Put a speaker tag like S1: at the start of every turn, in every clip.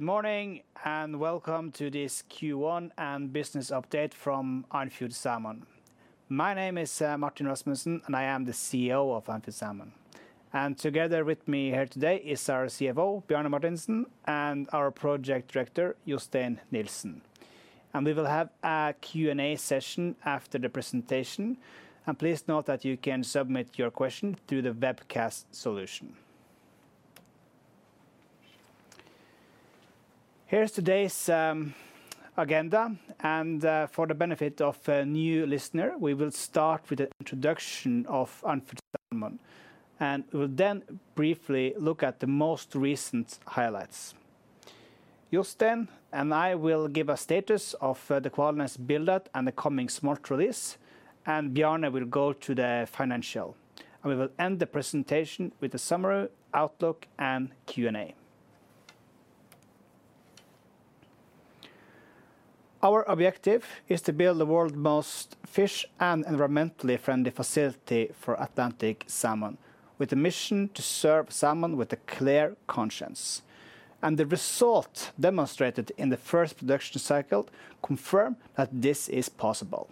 S1: Good morning and welcome to this Q1 and business update from Andfjord Salmon. My name is Martin Rasmussen, and I am the CEO of Andfjord Salmon. Together with me here today is our CFO, Bjarne Martinsen, and our Project Director, Jostein Nilsen. We will have a Q&A session after the presentation. Please note that you can submit your question through the webcast solution. Here is today's agenda. For the benefit of a new listener, we will start with the introduction of Andfjord Salmon. We will then briefly look at the most recent highlights. Jostein and I will give a status of the Kvalnes build-out and the coming smolt release. Bjarne will go to the financial. We will end the presentation with a summary, outlook, and Q&A. Our objective is to build the world's most fish and environmentally friendly facility for Atlantic salmon, with a mission to serve salmon with a clear conscience. The results demonstrated in the first production cycle confirm that this is possible.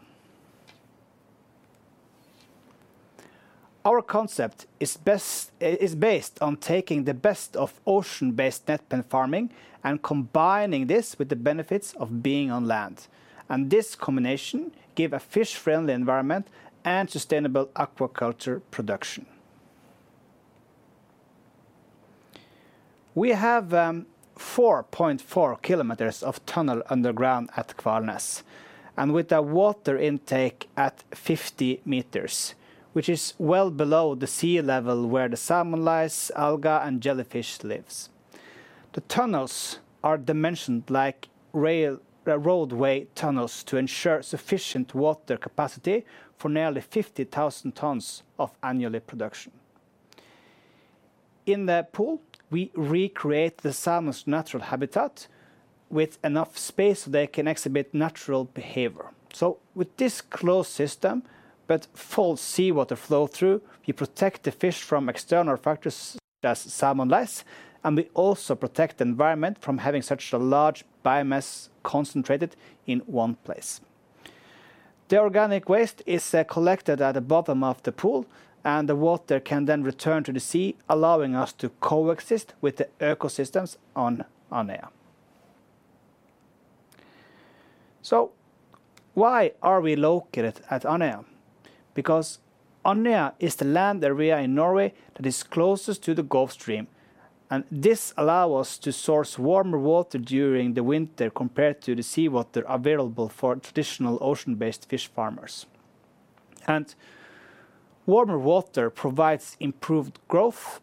S1: Our concept is based on taking the best of ocean-based net pen farming and combining this with the benefits of being on land. This combination gives a fish-friendly environment and sustainable aquaculture production. We have 4.4 kilometers of tunnel underground at Kvalnes, and with a water intake at 50 meters, which is well below the sea level where the salmon lice, alga, and jellyfish live. The tunnels are dimensioned like roadway tunnels to ensure sufficient water capacity for nearly 50,000 tons of annual production. In the pool, we recreate the salmon's natural habitat with enough space so they can exhibit natural behavior. With this closed system but full seawater flow-through, we protect the fish from external factors such as salmon lice, and we also protect the environment from having such a large biomass concentrated in one place. The organic waste is collected at the bottom of the pool, and the water can then return to the sea, allowing us to coexist with the ecosystems on Andøya. Why are we located at Andøya? Because Andøya is the land area in Norway that is closest to the Gulf Stream. This allows us to source warmer water during the winter compared to the seawater available for traditional ocean-based fish farmers. Warmer water provides improved growth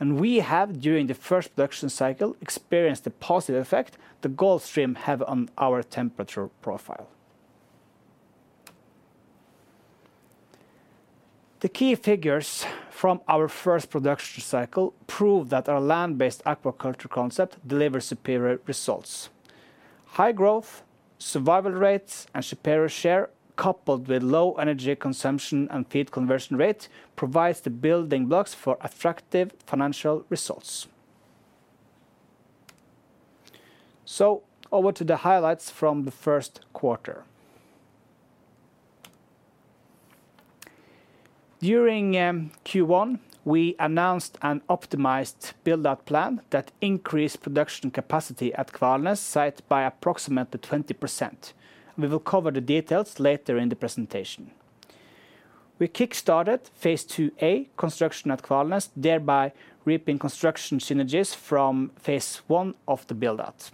S1: and better biological conditions, including lower risk of winter ulcer. We have, during the first production cycle, experienced the positive effect the Gulf Stream had on our temperature profile. The key figures from our first production cycle prove that our land-based aquaculture concept delivers superior results. High growth, survival rates, and superior share, coupled with low energy consumption and feed conversion rate, provide the building blocks for attractive financial results. Over to the highlights from the first quarter. During Q1, we announced an optimized build-out plan that increased production capacity at Kvalnes site by approximately 20%. We will cover the details later in the presentation. We kickstarted phase 2A construction at Kvalnes, thereby reaping construction synergies from phase 1 of the build-out.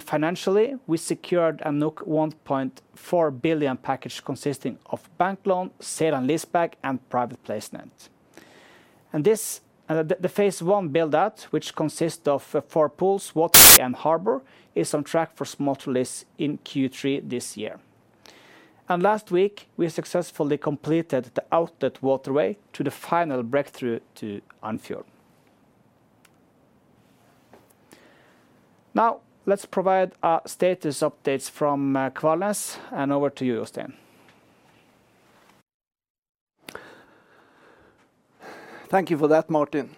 S1: Financially, we secured a 1.4 billion package consisting of bank loan, sale and lease back, and private placement. The phase 1 build-out, which consists of four pools, water, and harbor, is on track for smolt release in Q3 this year. Last week, we successfully completed the outlet waterway to the final breakthrough to Andfjord. Now, let's provide status updates from Kvalnes, and over to you, Jostein.
S2: Thank you for that, Martin.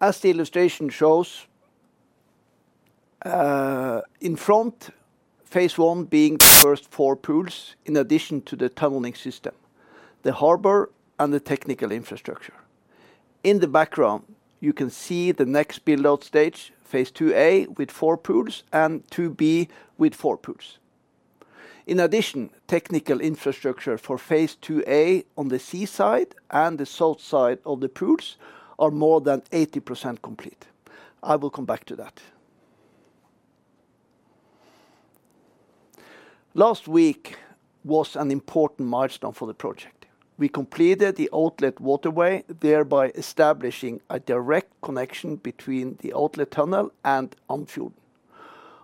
S2: As the illustration shows, in front, phase I being the first four pools, in addition to the tunneling system, the harbor, and the technical infrastructure. In the background, you can see the next build-out stage, phase 2A, with four pools, and 2B with four pools. In addition, technical infrastructure for phase 2A on the sea side and the salt side of the pools are more than 80% complete. I will come back to that. Last week was an important milestone for the project. We completed the outlet waterway, thereby establishing a direct connection between the outlet tunnel and Andfjord.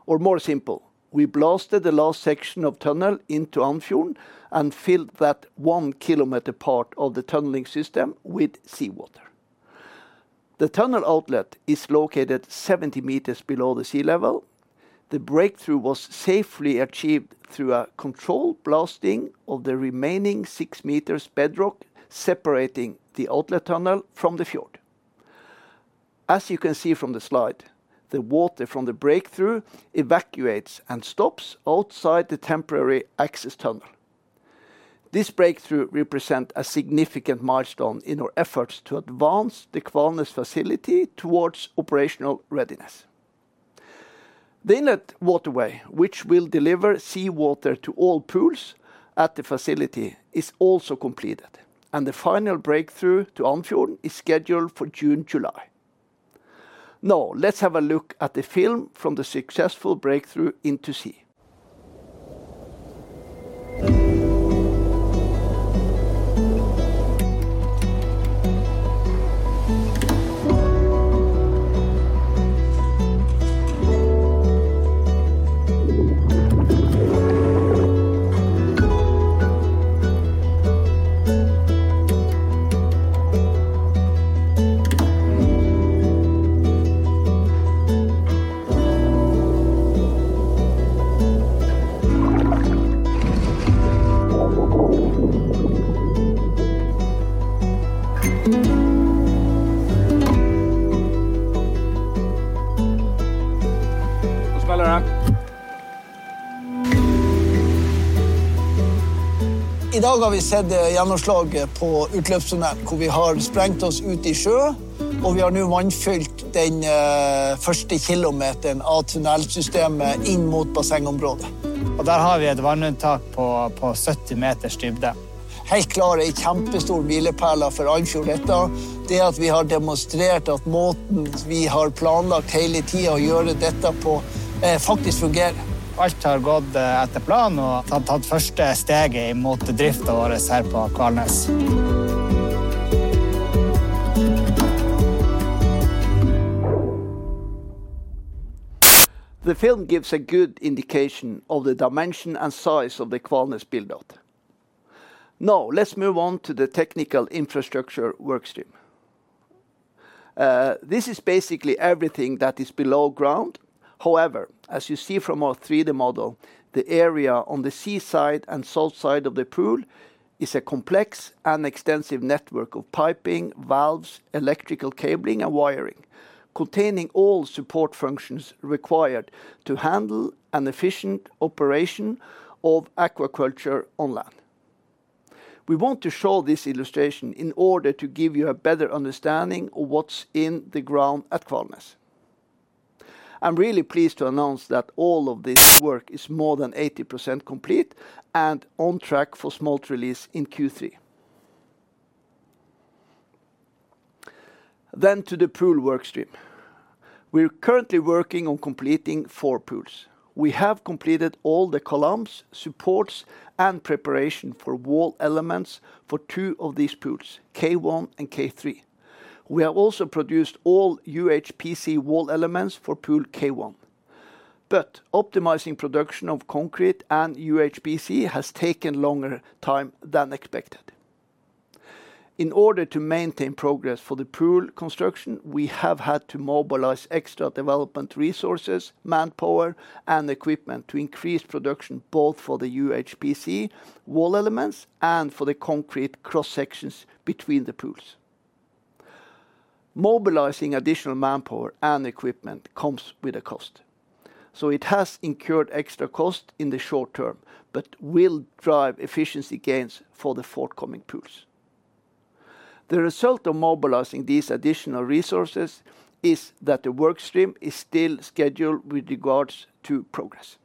S2: Or more simple, we blasted the last section of tunnel into Andfjord and filled that one-kilometer part of the tunneling system with seawater. The tunnel outlet is located 70 meters below the sea level. The breakthrough was safely achieved through a controlled blasting of the remaining 6 meters bedrock separating the outlet tunnel from the fjord. As you can see from the slide, the water from the breakthrough evacuates and stops outside the temporary access tunnel. This breakthrough represents a significant milestone in our efforts to advance the Kvalnes facility towards operational readiness. The inlet waterway, which will deliver seawater to all pools at the facility, is also completed. The final breakthrough to Andfjord is scheduled for June-July. Now, let's have a look at the film from the successful breakthrough into sea.
S3: God kveld, alle. I dag har vi sett gjennomslag på utløpssonder, hvor vi har sprengt oss ut i sjø. Og vi har nå vannfylt den første kilometeren av tunnelsystemet inn mot bassengområdet.
S4: Der har vi et vanninntak på 70 meters dybde.
S3: Helt klart en kjempestor milepæl for Andfjord dette. Det at vi har demonstrert at måten vi har planlagt hele tiden å gjøre dette på, faktisk fungerer. Alt har gått etter planen, og vi har tatt første steget inn mot driften vår her på Kvalnes.
S5: The film gives a good indication of the dimension and size of the Kvalnes build-out. Now, let's move on to the technical infrastructure workstream. This is basically everything that is below ground. However, as you see from our 3D model, the area on the sea side and salt side of the pool is a complex and extensive network of piping, valves, electrical cabling, and wiring, containing all support functions required to handle an efficient operation of aquaculture on land. We want to show this illustration in order to give you a better understanding of what's in the ground at Kvalnes. I'm really pleased to announce that all of this work is more than 80% complete and on track for smolt release in Q3. Now to the pool workstream. We're currently working on completing four pools. We have completed all the columns, supports, and preparation for wall elements for two of these pools, K1 and K3. We have also produced all UHPC wall elements for pool K1. Optimizing production of concrete and UHPC has taken longer time than expected. In order to maintain progress for the pool construction, we have had to mobilize extra development resources, manpower, and equipment to increase production both for the UHPC wall elements and for the concrete cross-sections between the pools. Mobilizing additional manpower and equipment comes with a cost. It has incurred extra costs in the short term, but will drive efficiency gains for the forthcoming pools. The result of mobilizing these additional resources is that the workstream is still scheduled with regards to progress.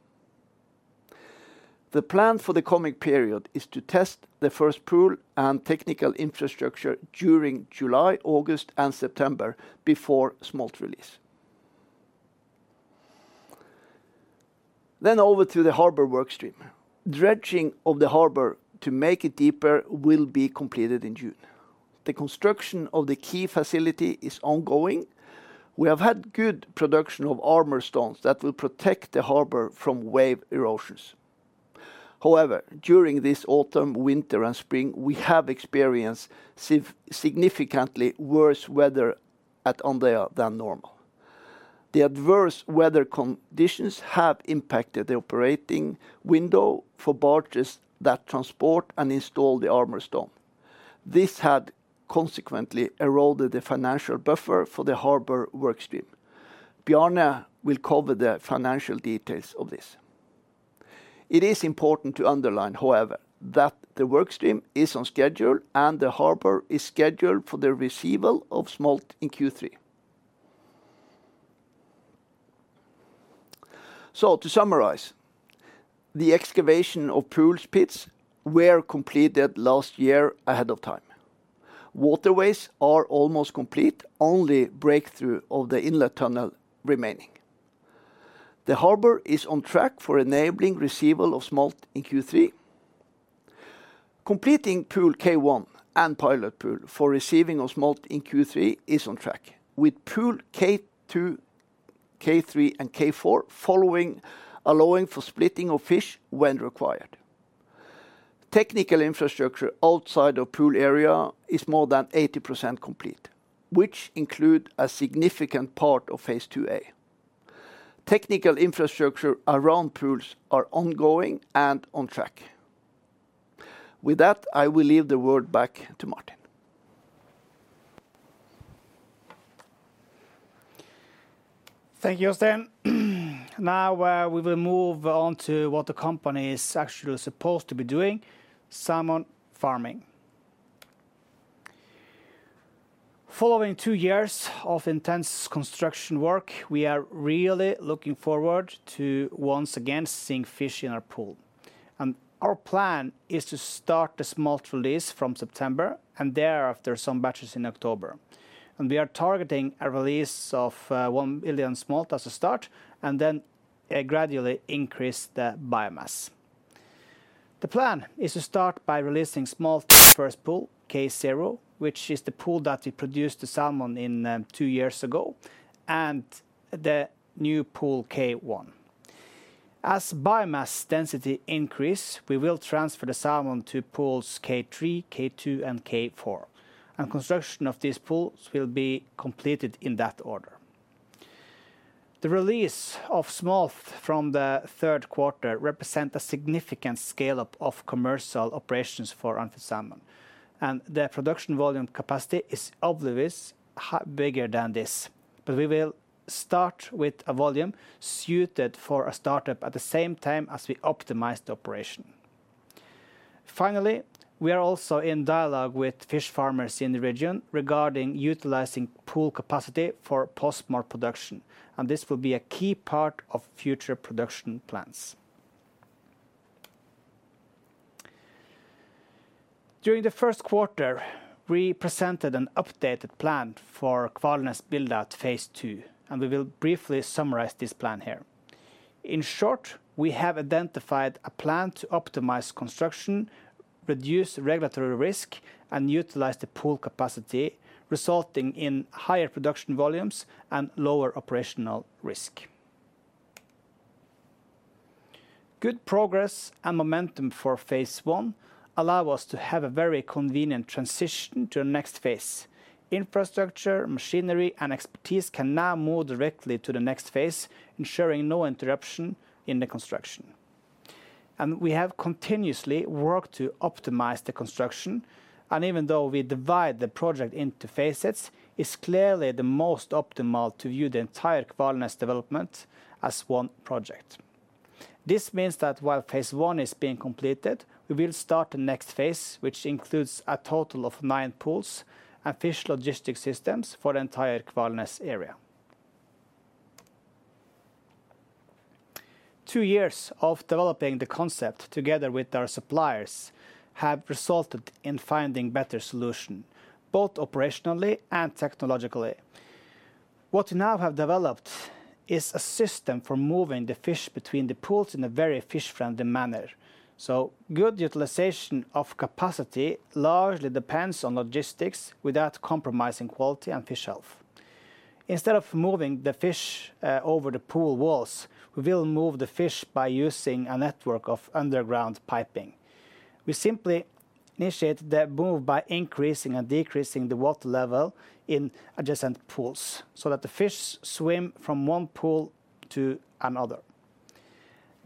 S5: The plan for the coming period is to test the first pool and technical infrastructure during July, August, and September before smolt release. Over to the harbor workstream. Dredging of the harbor to make it deeper will be completed in June. The construction of the quay facility is ongoing. We have had good production of armor stones that will protect the harbor from wave erosions. However, during this autumn, winter, and spring, we have experienced significantly worse weather at Andøya than normal. The adverse weather conditions have impacted the operating window for barges that transport and install the armor stone. This has consequently eroded the financial buffer for the harbor workstream. Bjarne will cover the financial details of this. It is important to underline, however, that the workstream is on schedule and the harbor is scheduled for the receival of smolt in Q3. To summarize, the excavation of pool spits was completed last year ahead of time. Waterways are almost complete, only breakthrough of the inlet tunnel remaining. The harbor is on track for enabling receival of smolt in Q3. Completing pool K1 and pilot pool for receiving of smolt in Q3 is on track, with pool K2, K3, and K4 allowing for splitting of fish when required. Technical infrastructure outside of pool area is more than 80% complete, which includes a significant part of phase 2A. Technical infrastructure around pools is ongoing and on track. With that, I will leave the word back to Martin.
S3: Thank you, Jostein. Now, we will move on to what the company is actually supposed to be doing: salmon farming. Following two years of intense construction work, we are really looking forward to once again seeing fish in our pool. Our plan is to start the smolt release from September and thereafter some batches in October. We are targeting a release of one million smolt as a start, and then gradually increase the biomass. The plan is to start by releasing smolt in the first pool, K0, which is the pool that we produced the salmon in two years ago, and the new pool, K1. As biomass density increases, we will transfer the salmon to pools K3, K2, and K4. Construction of these pools will be completed in that order. The release of smolt from the third quarter represents a significant scale-up of commercial operations for Andfjord Salmon. The production volume capacity is obviously bigger than this. We will start with a volume suited for a startup at the same time as we optimize the operation. Finally, we are also in dialogue with fish farmers in the region regarding utilizing pool capacity for post-smolt production. This will be a key part of future production plans. During the first quarter, we presented an updated plan for Kvalnes build-out phase II. We will briefly summarize this plan here. In short, we have identified a plan to optimize construction, reduce regulatory risk, and utilize the pool capacity, resulting in higher production volumes and lower operational risk. Good progress and momentum for phase 1 allow us to have a very convenient transition to the next phase. Infrastructure, machinery, and expertise can now move directly to the next phase, ensuring no interruption in the construction. We have continuously worked to optimize the construction. Even though we divide the project into phases, it is clearly the most optimal to view the entire Kvalnes development as one project. This means that while phase 1 is being completed, we will start the next phase, which includes a total of nine pools and fish logistic systems for the entire Kvalnes area. Two years of developing the concept together with our suppliers have resulted in finding better solutions, both operationally and technologically. What we now have developed is a system for moving the fish between the pools in a very fish-friendly manner. Good utilization of capacity largely depends on logistics without compromising quality and fish health. Instead of moving the fish over the pool walls,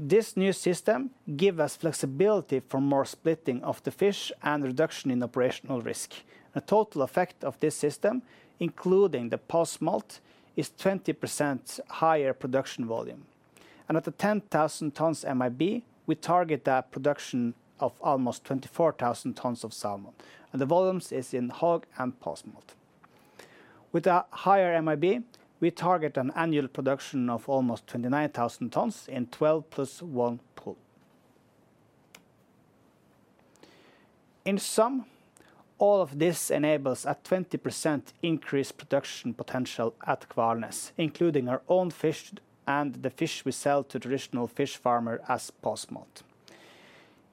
S3: we will move the fish by using a network of underground piping. We simply initiate the move by increasing and decreasing the water level in adjacent pools so that the fish swim from one pool to another. This new system gives us flexibility for more splitting of the fish and reduction in operational risk. The total effect of this system, including the post-smolt, is 20% higher production volume. At the 10,000 tons MIB, we target a production of almost 24,000 tons of salmon. The volume is in HOG and post-smolt. With a higher MIB, we target an annual production of almost 29,000 tons in 12 + one pool. In sum, all of this enables a 20% increased production potential at Kvalnes, including our own fish and the fish we sell to traditional fish farmers as post-smolt.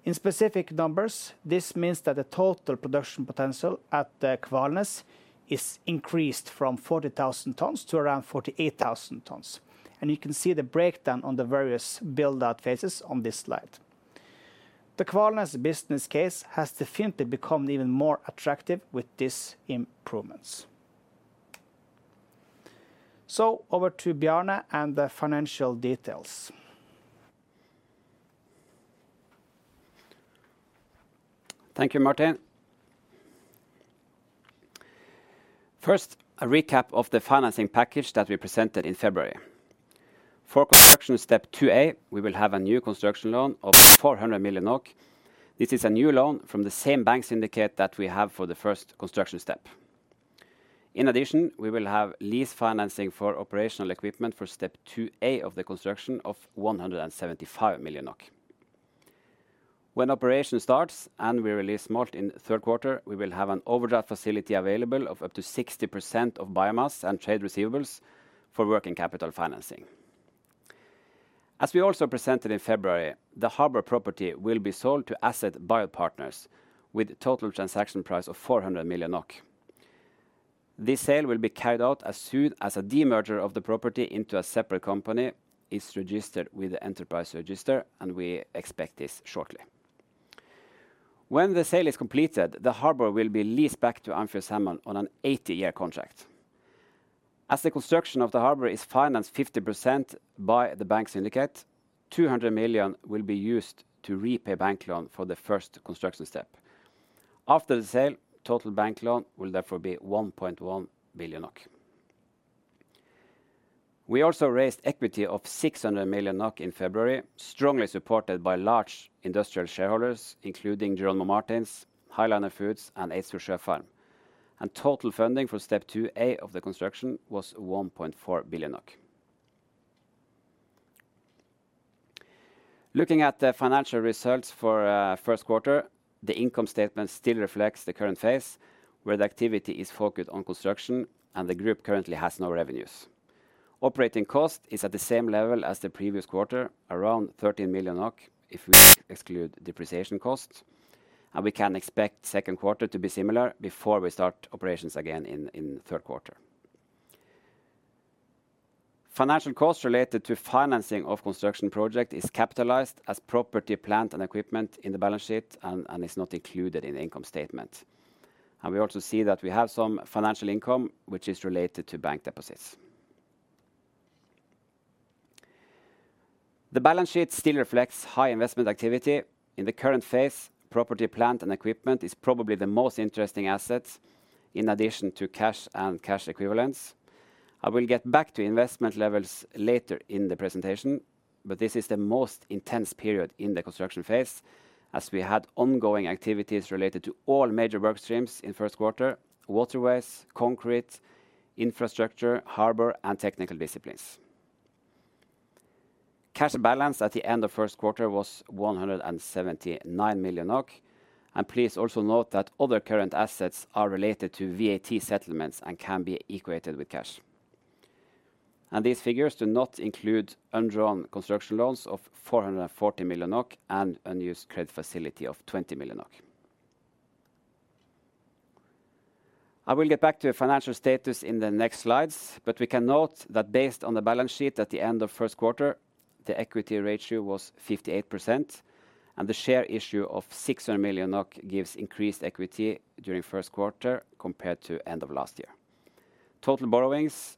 S3: In specific numbers, this means that the total production potential at Kvalnes is increased from 40,000 tons to around 48,000 tons. You can see the breakdown on the various build-out phases on this slide. The Kvalnes business case has definitely become even more attractive with these improvements. Over to Bjarne and the financial details.
S1: Thank you, Martin. First, a recap of the financing package that we presented in February. For construction step 2A, we will have a new construction loan of 400 million NOK. This is a new loan from the same bank syndicate that we have for the first construction step. In addition, we will have lease financing for operational equipment for step 2A of the construction of 175 million NOK. When operation starts and we release smolt in the third quarter, we will have an overdraft facility available of up to 60% of biomass and trade receivables for working capital financing. As we also presented in February, the harbor property will be sold to Asset Bio Partners with a total transaction price of 400 million NOK. This sale will be carried out as soon as a demerger of the property into a separate company is registered with the Enterprise Register, and we expect this shortly. When the sale is completed, the harbor will be leased back to Andfjord Salmon on an 80-year contract. As the construction of the harbor is financed 50% by the bank syndicate, 200 million will be used to repay bank loan for the first construction step. After the sale, total bank loan will therefore be 1.1 billion NOK. We also raised equity of 600 million NOK in February, strongly supported by large industrial shareholders, including Jerónimo Martins, High Liner Foods, and Eidsfjord Sjøfarm. Total funding for step 2A of the construction was 1.4 billion NOK. Looking at the financial results for the first quarter, the income statement still reflects the current phase, where the activity is focused on construction, and the group currently has no revenues. Operating cost is at the same level as the previous quarter, around 13 million NOK, if we exclude depreciation costs. We can expect the second quarter to be similar before we start operations again in the third quarter. Financial costs related to financing of construction projects are capitalized as property, plant and equipment in the balance sheet and are not included in the income statement. We also see that we have some financial income, which is related to bank deposits. The balance sheet still reflects high investment activity. In the current phase, property, plant and equipment is probably the most interesting assets, in addition to cash and cash equivalents. I will get back to investment levels later in the presentation, but this is the most intense period in the construction phase, as we had ongoing activities related to all major workstreams in the first quarter: waterways, concrete, infrastructure, harbor, and technical disciplines. Cash balance at the end of the first quarter was 179 million NOK. Please also note that other current assets are related to VAT settlements and can be equated with cash. These figures do not include unwritten construction loans of 440 million NOK and an unused credit facility of 20 million NOK. I will get back to financial status in the next slides, but we can note that based on the balance sheet at the end of the first quarter, the equity ratio was 58%, and the share issue of 600 million NOK gives increased equity during the first quarter compared to the end of last year. Total borrowings: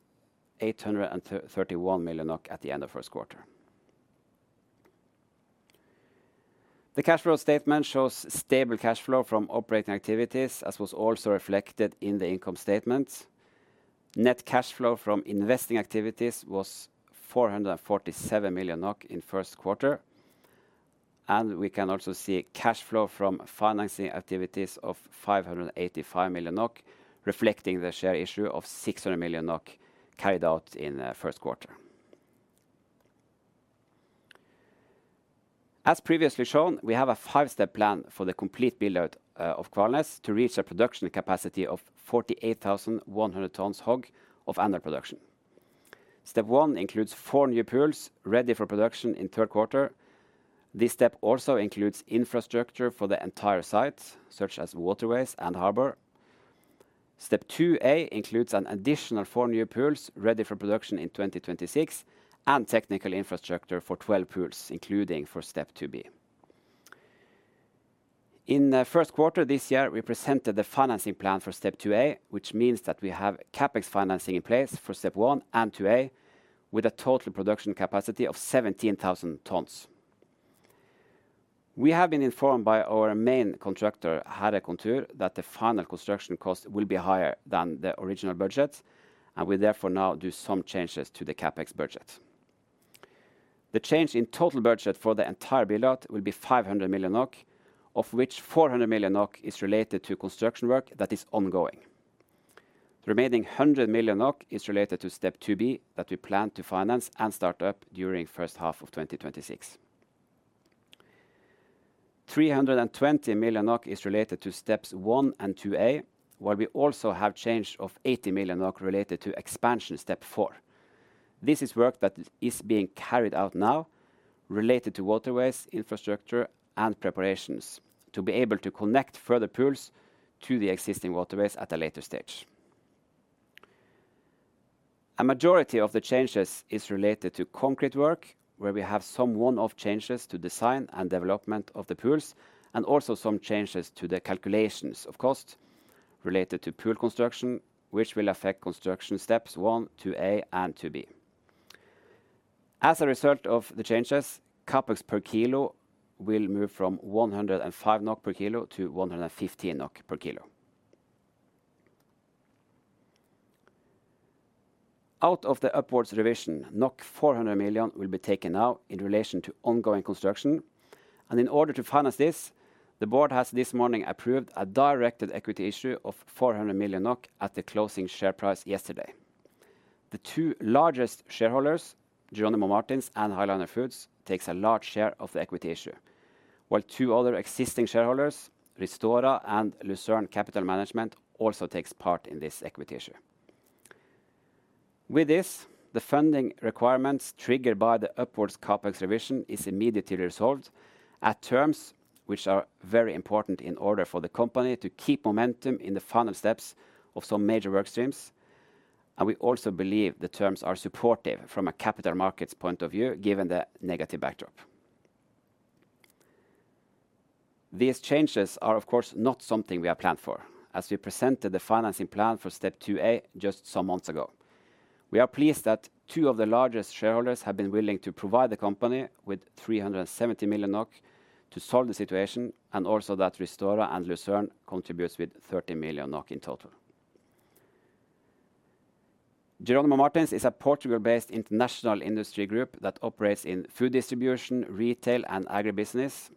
S1: 831 million at the end of the first quarter. The cash flow statement shows stable cash flow from operating activities, as was also reflected in the income statement. Net cash flow from investing activities was 447 million NOK in the first quarter. We can also see cash flow from financing activities of 585 million NOK, reflecting the share issue of 600 million NOK carried out in the first quarter. As previously shown, we have a five-step plan for the complete build-out of Kvalnes to reach a production capacity of 48,100 tons HOG of annual production. Step 1 includes four new pools ready for production in the third quarter. This step also includes infrastructure for the entire site, such as waterways and harbor. Step 2A includes an additional four new pools ready for production in 2026 and technical infrastructure for 12 pools, including for step 2B. In the first quarter this year, we presented the financing plan for step 2A, which means that we have CapEx financing in place for step 1 and 2A, with a total production capacity of 17,000 tons. We have been informed by our main contractor, Hæhre, that the final construction cost will be higher than the original budget, and we therefore now do some changes to the CapEx budget. The change in total budget for the entire build-out will be 500 million NOK, of which 400 million NOK is related to construction work that is ongoing. The remaining 100 million NOK is related to step 2B that we plan to finance and start up during the first half of 2026. 320 million NOK is related to steps 1 and 2A, while we also have a change of 80 million NOK related to expansion step 4. This is work that is being carried out now, related to waterways, infrastructure, and preparations to be able to connect further pools to the existing waterways at a later stage. A majority of the changes is related to concrete work, where we have some one-off changes to design and development of the pools, and also some changes to the calculations of cost related to pool construction, which will affect construction steps 1, 2A, and 2B. As a result of the changes, CapEx per kilo will move from 105 NOK per kilo to 115 NOK per kilo. Out of the upwards revision, 400 million will be taken now in relation to ongoing construction. In order to finance this, the board has this morning approved a directed equity issue of 400 million NOK at the closing share price yesterday. The two largest shareholders, Jerónimo Martins and High Liner Foods, take a large share of the equity issue, while two other existing shareholders, Ristora and Lucerne Capital Management, also take part in this equity issue. With this, the funding requirements triggered by the upwards CapEx revision are immediately resolved at terms which are very important in order for the company to keep momentum in the final steps of some major workstreams. We also believe the terms are supportive from a capital markets point of view, given the negative backdrop. These changes are, of course, not something we have planned for, as we presented the financing plan for step 2A just some months ago. We are pleased that two of the largest shareholders have been willing to provide the company with 370 million NOK to solve the situation, and also that Ristora and Lucerne contribute with 30 million NOK in total. Jerónimo Martins is a Portugal-based international industry group that operates in food distribution, retail, and agribusiness.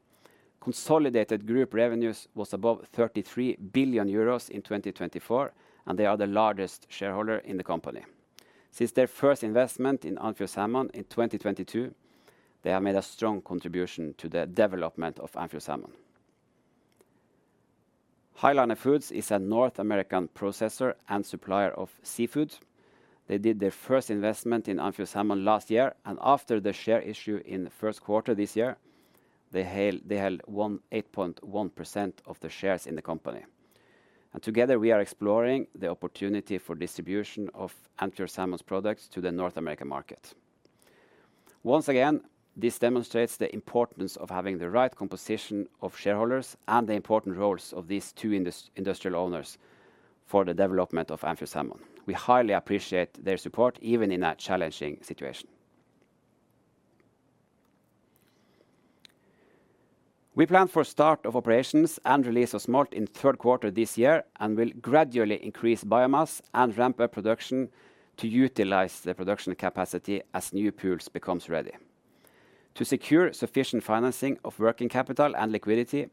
S1: Consolidated group revenues were above 33 billion euros in 2024, and they are the largest shareholder in the company. Since their first investment in Andfjord Salmon in 2022, they have made a strong contribution to the development of Andfjord Salmon. High Liner Foods is a North American processor and supplier of seafood. They did their first investment in Andfjord Salmon last year, and after the share issue in the first quarter this year, they held 8.1% of the shares in the company. Together, we are exploring the opportunity for distribution of Andfjord Salmon's products to the North American market. Once again, this demonstrates the importance of having the right composition of shareholders and the important roles of these two industrial owners for the development of Andfjord Salmon. We highly appreciate their support, even in a challenging situation. We plan for the start of operations and release of smolt in the third quarter this year and will gradually increase biomass and ramp up production to utilize the production capacity as new pools become ready. To secure sufficient financing of working capital and liquidity,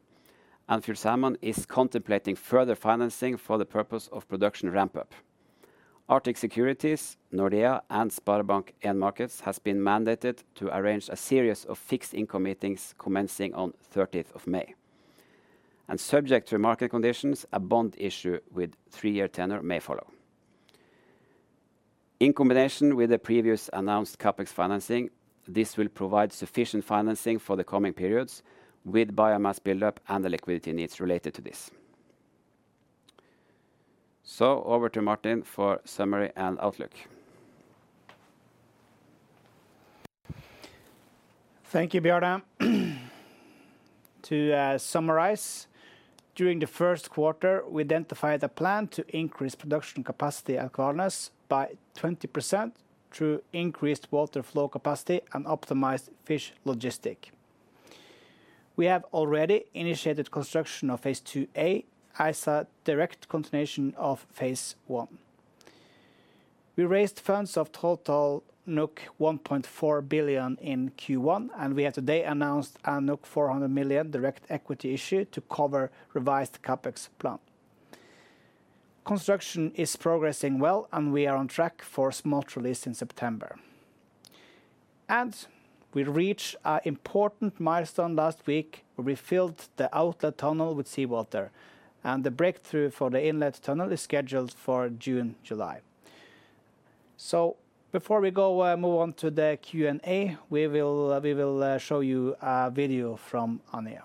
S1: Andfjord Salmon is contemplating further financing for the purpose of production ramp-up. Arctic Securities, Nordea, and SpareBank 1 Markets have been mandated to arrange a series of fixed income meetings commencing on the 30th of May. Subject to market conditions, a bond issue with a three-year tenor may follow. In combination with the previously announced CapEx financing, this will provide sufficient financing for the coming periods with biomass build-up and the liquidity needs related to this. Over to Martin for a summary and outlook. Thank you, Bjarne. To summarize, during the first quarter, we identified a plan to increase production capacity at Kvalnes by 20% through increased water flow capacity and optimized fish logistics. We have already initiated construction of phase 2A, as a direct continuation of phase 1. We raised funds of a total 1.4 billion in Q1, and we have today announced a 400 million direct equity issue to cover the revised CapEx plan. Construction is progressing well, and we are on track for smolt release in September. We reached an important milestone last week where we filled the outlet tunnel with seawater, and the breakthrough for the inlet tunnel is scheduled for June-July. Before we move on to the Q&A, we will show you a video from Anja.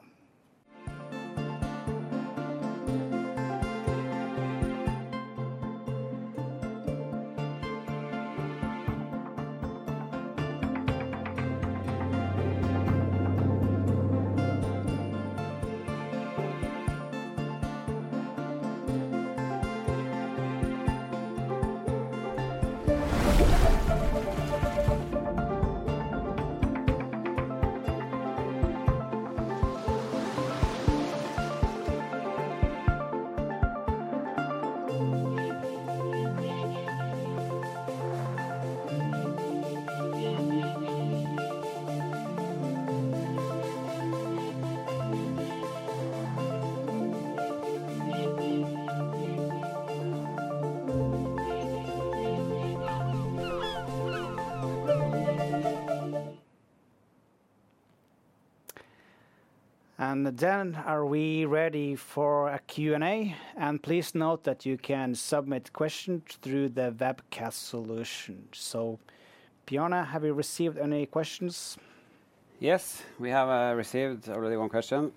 S1: Are we ready for a Q&A? Please note that you can submit questions through the webcast solution. Bjarne, have you received any questions?
S3: Yes, we have received already one question.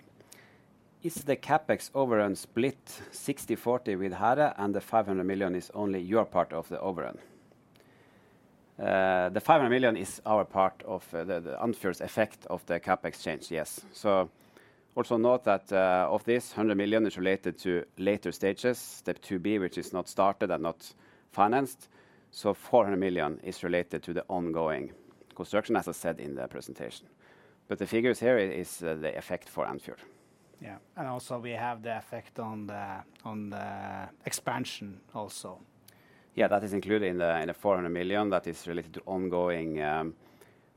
S3: Is the CapEx overrun split 60-40 with Hæhre and the 500 million is only your part of the overrun? The 500 million is our part of Andfjord Salmon's effect of the CapEx change, yes. Also note that of this, 100 million is related to later stages, step 2B, which is not started and not financed. 400 million is related to the ongoing construction, as I said in the presentation. The figures here are the effect for Andfjord Salmon.
S1: Yeah, and also we have the effect on the expansion also.
S3: Yeah, that is included in the 400 million that is related to ongoing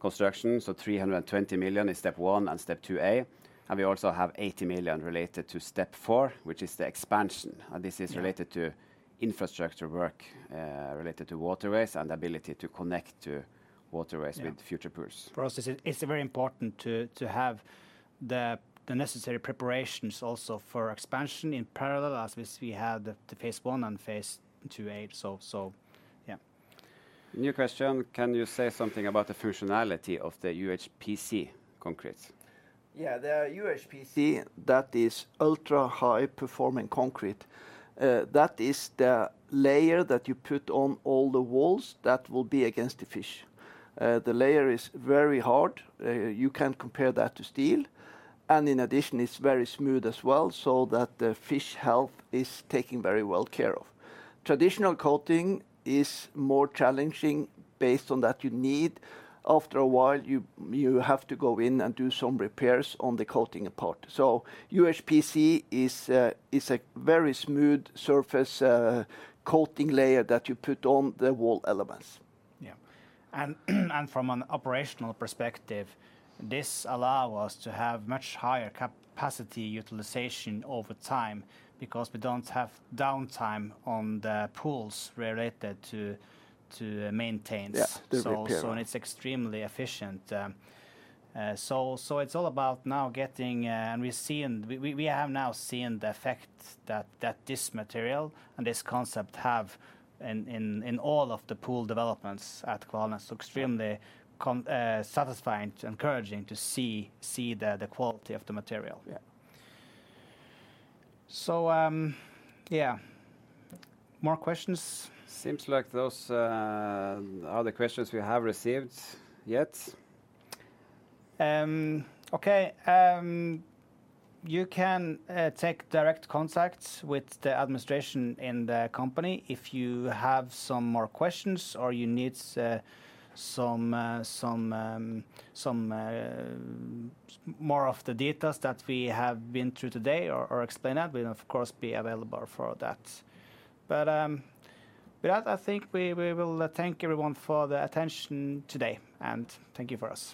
S3: construction. So, 320 million is step one and step two A. And we also have 80 million related to step four, which is the expansion. And this is related to infrastructure work related to waterways and the ability to connect to waterways with future pools.
S1: For us, it's very important to have the necessary preparations also for expansion in parallel, as we had the phase one and phase two-A. So, yeah.
S3: New question. Can you say something about the functionality of the UHPC concrete?
S1: Yeah, the UHPC, that is ultra-high performance concrete. That is the layer that you put on all the walls that will be against the fish. The layer is very hard. You can't compare that to steel. In addition, it's very smooth as well, so that the fish health is taken very well care of. Traditional coating is more challenging based on that you need. After a while, you have to go in and do some repairs on the coating part. UHPC is a very smooth surface coating layer that you put on the wall elements. Yeah. From an operational perspective, this allows us to have much higher capacity utilization over time because we don't have downtime on the pools related to maintaining the surface. It's extremely efficient. It's all about now getting, and we have now seen the effect that this material and this concept have in all of the pool developments at Kvalnes. Extremely satisfying and encouraging to see the quality of the material. Yeah.
S3: More questions? Seems like those are the questions we have received so far.
S1: Okay. You can take direct contact with the administration in the company if you have some more questions or you need some more of the details that we have been through today or explain that. We will, of course, be available for that. With that, I think we will thank everyone for the attention today. Thank you for us.